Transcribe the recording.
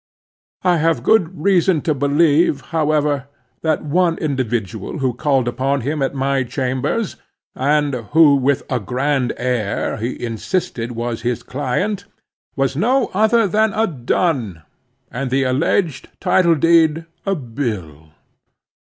I have good reason to believe, however, that one individual who called upon him at my chambers, and who, with a grand air, he insisted was his client, was no other than a dun, and the alleged title deed, a bill.